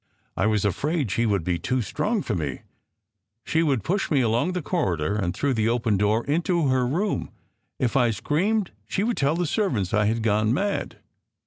I was afraid she would be too strong for me. She would push me along the corridor and through the open door into her room. If I screamed she would tell the servants I had gone mad.